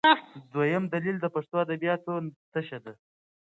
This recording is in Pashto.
دویم دلیل د پښتو ادبیاتو تشه ده.